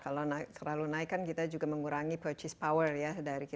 kalau terlalu naikkan kita juga mengurangi purchase power ya